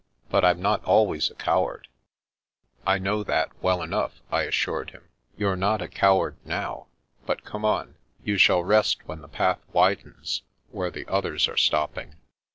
But I'm not always a coward." "I know that well enough," I assured him. " You're not a coward now. But come on. You shall rest when the path widens, where the others are stopping."